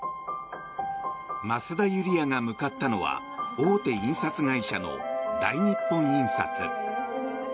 増田ユリヤが向かったのは大手印刷会社の大日本印刷。